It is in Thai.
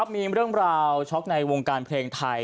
มีเรื่องราวช็อกในวงการเพลงไทย